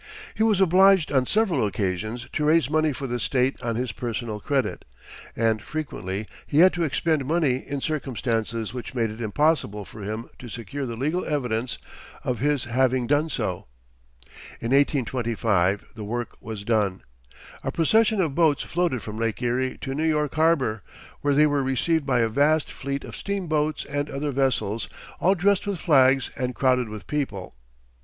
He was obliged on several occasions to raise money for the State on his personal credit, and frequently he had to expend money in circumstances which made it impossible for him to secure the legal evidence of his having done so. In 1825 the work was done. A procession of boats floated from Lake Erie to New York Harbor, where they were received by a vast fleet of steamboats and other vessels, all dressed with flags and crowded with people.